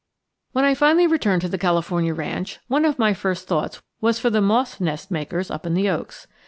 When I finally returned to the California ranch, one of my first thoughts was for the moss nest makers up in the oaks.